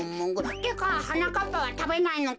ってかはなかっぱはたべないのか？